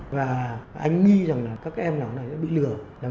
và anh nghi rằng là các em nào đó bị lừa là người từ việt nam sang đây bán